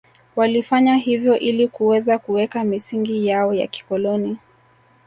Walifanya hivyo ili kuweza kuweka misingi yao ya kikoloni